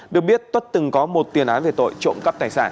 được biết tất từng có một tiền án về tội trộm cắp tài sản